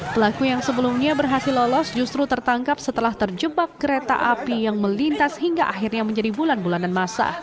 pelaku yang sebelumnya berhasil lolos justru tertangkap setelah terjebak kereta api yang melintas hingga akhirnya menjadi bulan bulanan masa